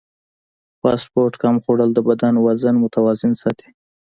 فاسټ فوډ کم خوړل د بدن وزن متوازن ساتي.